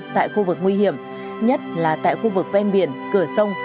tại khu vực nguy hiểm nhất là tại khu vực ven biển cửa sông